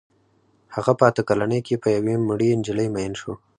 هغه په اته کلنۍ کې په یوې مړې نجلۍ مین شو